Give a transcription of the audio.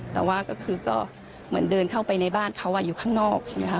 แต่ว่าก็คือก็เหมือนเดินเข้าไปในบ้านเขาอยู่ข้างนอกใช่ไหมคะ